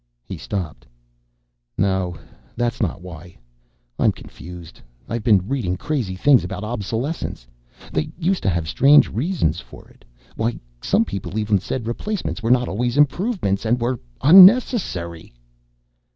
He stopped. "No, that's not why. I'm confused. I've been reading crazy things about obsolescence. They used to have strange reasons for it. Why, some people even said replacements were not always improvements and were unnecessary!"